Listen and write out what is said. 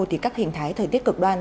thì các hình thái thời tiết cực đoan